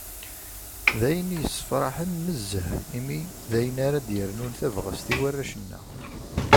D ayen yessefraḥen nezzeh, imi d ayen ara d-yernun tabɣest i warrac-nneɣ.